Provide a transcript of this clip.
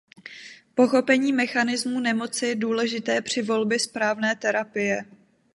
Pochopení mechanismů nemoci je důležité při volbě správné terapie.